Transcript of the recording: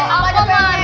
apa dia berpikir